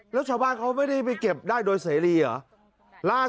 แล้วชาวบ้านเขาไม่ได้ไปเก็บได้โดยเสรีเหรอ